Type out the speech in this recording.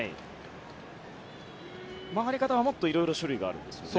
曲がり方はもっといろいろ種類があるんですよね。